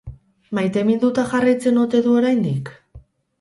Maiteminduta jarraitzen ote du oraindik?